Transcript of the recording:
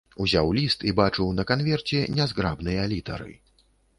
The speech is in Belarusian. Узяў ліст і бачыў на канверце нязграбныя літары.